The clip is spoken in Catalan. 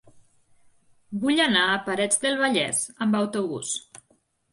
Vull anar a Parets del Vallès amb autobús.